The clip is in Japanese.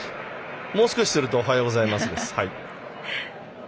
もう少しするとおはようございますです。